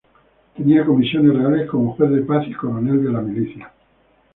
Tenía comisiones reales como juez de paz y coronel de la milicia.